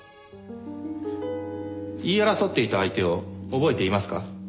言い争っていた相手を覚えていますか？